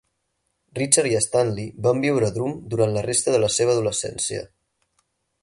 Richard i Stanley van viure a Drumm durant la resta de la seva adolescència.